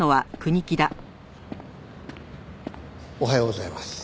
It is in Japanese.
おはようございます。